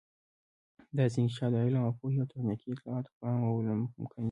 داسې انکشاف د علم او پوهې او تخنیکي اطلاعاتو په عامولو ممکنیږي.